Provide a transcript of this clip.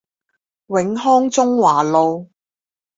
永康中華路